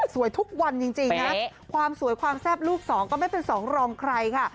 ทุกวันจริงนะความสวยความแซ่บลูกสองก็ไม่เป็นสองรองใครค่ะ